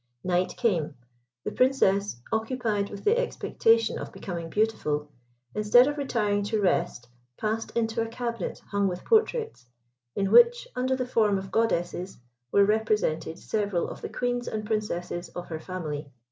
Night came. The Princess, occupied with the expectation of becoming beautiful, instead of retiring to rest, passed into a cabinet hung with portraits, in which, under the form of goddesses, were represented several of the Queens and Princesses of her family.